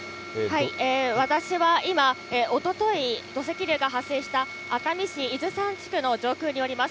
私は今、おととい、土石流が発生した熱海市伊豆山地区の上空におります。